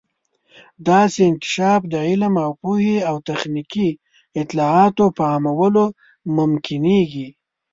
داسې انکشاف د علم او پوهې او تخنیکي اطلاعاتو په عامولو ممکنیږي.